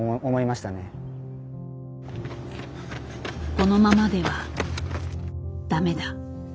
「このままではダメだ」。